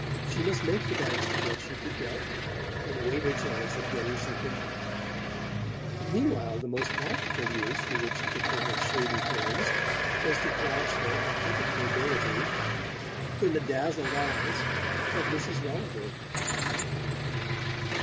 She must make the best of what she could get and wait her chance of getting something better; and meanwhile the most practical use to which she could put her shady friends was to flash their authentic nobility in the dazzled eyes of Mrs. Rolliver.